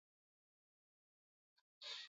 Kuna wilaya zifuatazo katika mkoa wa Mara